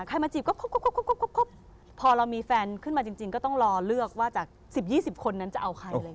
ใครมาจีบก็พอเรามีแฟนขึ้นมาจริงก็ต้องรอเลือกว่าจาก๑๐๒๐คนนั้นจะเอาใครเลย